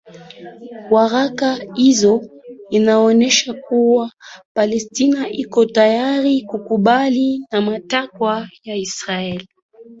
yaraka hizo zinaonyesha kuwa palestina iko tayari kukubali matakwa ya israel